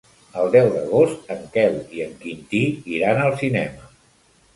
El deu d'agost en Quel i en Quintí iran al cinema.